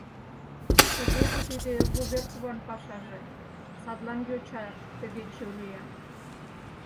«Тугеже тиде Вуверкуван пашаже, садлан йоча тыге чурия.